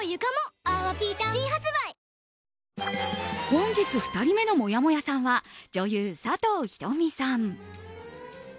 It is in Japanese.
本日２人目のもやもやさんは女優・佐藤仁美さん。